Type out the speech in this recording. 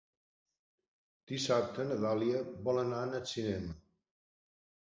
Dissabte na Dàlia vol anar al cinema.